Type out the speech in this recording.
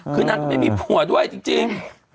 คือนางก็ไม่มีผัวด้วยจริง